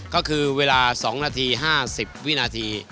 ก็คือเวลา๒นาที๕๐วินาที